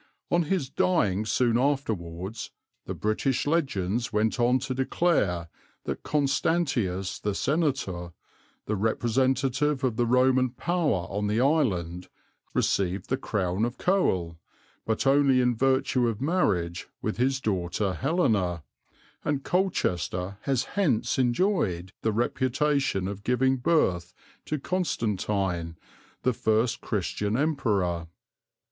On his dying soon afterwards, the British legends went on to declare that Constantius the Senator, the representative of the Roman power on the island, received the crown of Coel, but only in virtue of marriage with his daughter Helena; and Colchester has hence enjoyed the reputation of giving birth to Constantine, the first Christian Emperor.